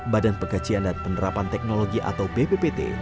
badan pengkajian dan penerapan teknologi atau bppt